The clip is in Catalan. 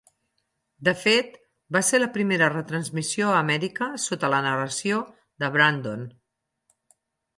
De fet, va ser la primera retransmissió a Amèrica sota la narració de Brandon.